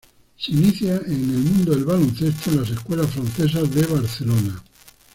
Se inicia en el mundo del baloncesto en las Escuelas francesas de Barcelona.